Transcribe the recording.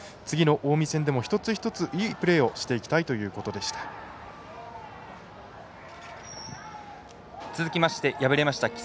次の近江戦でも一つ一つ、いいプレーをしていきたいということでした。